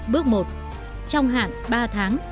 bước một trong hạn ba tháng